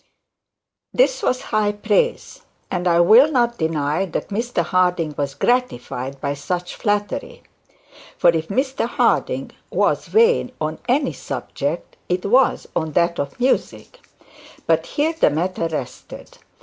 This was high praise, and I will not deny that Mr Harding was gratified by such flattery; for if Mr Harding was vain on any subject, it was on that of music. But here the matter rested.